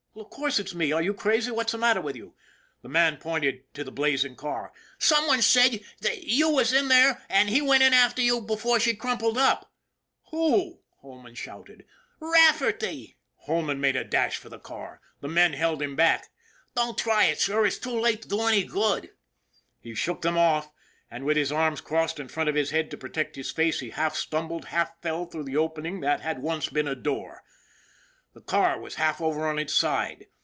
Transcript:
" "Of course it's me! Are you crazy? What's the matter with you ?" The man pointed to the blazing car. " Some one 20 ON THE IRON AT BIG CLOUD said you was in there, and he went in after you just before she crumpled up." "Who?" Holman shouted. " Rafferty." Holman made a dash for the car. The men held him back. " Don't try it, sir; it's too late to do any good." He shook them off, and with his arms crossed in front of his head to protect his face he half stumbled, half fell through the opening that had once been a door. The car was half over on its side.